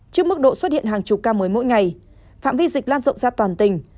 trước mức độ xuất hiện hàng chục ca mới mỗi ngày phạm vi dịch lan rộng ra toàn tỉnh